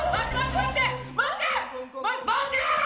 ま待って！